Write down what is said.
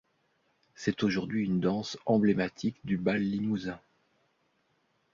C'est aujourd'hui une danse emblématique du bal limousin.